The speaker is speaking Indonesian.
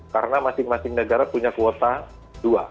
karena masing masing negara punya kuota dua